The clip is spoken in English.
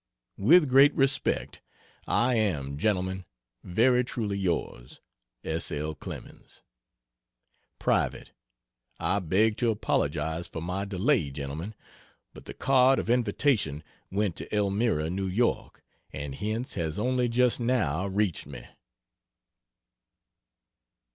With great respect, I am, Gentlemen, Very truly yours, S. L. CLEMENS. Private: I beg to apologize for my delay, gentlemen, but the card of invitation went to Elmira, N. Y. and hence has only just now reached me.